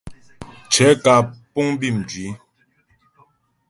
Cɛ̌ kǎ puŋ bí mjwǐ.